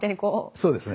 そうですね。